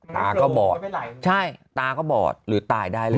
ตาก็บอดใช่ตาก็บอดหรือตายได้เลย